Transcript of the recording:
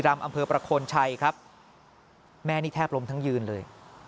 แม่นี่แทบล้มทั้งยืนเลย